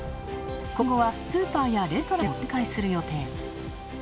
今後はスーパーやレストランでも展開する予定です。